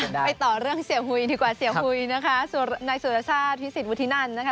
ไปต่อเรื่องเสียหุยดีกว่าเสียหุยนะคะนายสุรชาติพิสิทธวุฒินันนะคะ